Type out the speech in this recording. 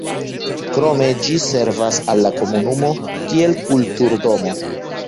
Krome ĝi servas al la komunumo kiel kulturdomo.